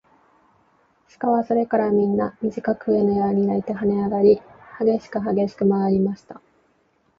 鹿はそれからみんな、みじかく笛のように鳴いてはねあがり、はげしくはげしくまわりました。